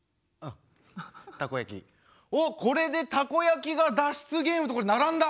おこれでたこ焼きが脱出ゲームとこれ並んだ！